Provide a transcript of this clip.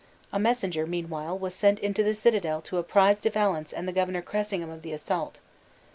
A messenger, meanwhile, was sent into the citadel to apprise De Valence and the Governor Cressingham of the assault.